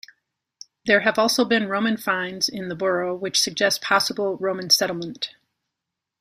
There have also been Roman finds in the borough which suggests possible Roman settlement.